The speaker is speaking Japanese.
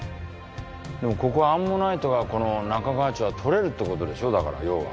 でもここはアンモナイトがこの中川町は採れるってことでしょだから要は。